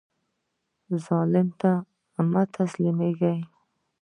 ظالم ته مه تسلیمیږئ